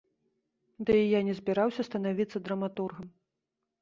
Ды і я не збіраўся станавіцца драматургам.